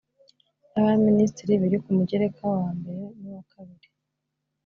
Y abaminisitiri biri ku mugereka wa i n uwa ii